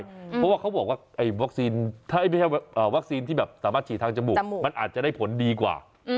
เพราะว่าเขาบอกว่าไม่ใช่วัคซีนที่แบบสามารถฉีดทางจมูกมันอาจจะได้ผลดีกว่า